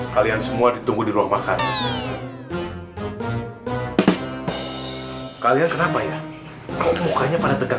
kalian semua ditunggu di ruang makan kalian kenapa ya mukanya pada tegar